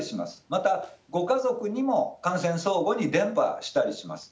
また、ご家族にも感染相互に伝ぱしたりします。